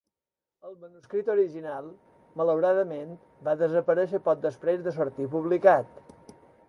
El manuscrit original, malauradament, va desaparèixer poc després de sortir publicat.